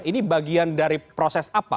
ini bagian dari proses apa